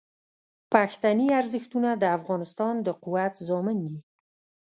پښتني ارزښتونه د افغانستان د قوت ضامن دي.